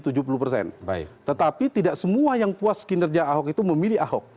tetapi tidak semua yang puas kinerja ahok itu memilih ahok